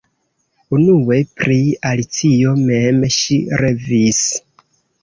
Unue pri Alicio mem ŝi revis.